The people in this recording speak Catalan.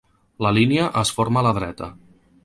La línia es forma a la dreta.